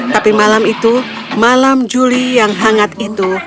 tapi malam itu malam juli yang hangat itu